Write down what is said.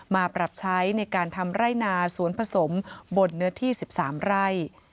มาปรับใช้ในการทำไร่นาสวนผสมบนเนื้อที่๑๓ไร่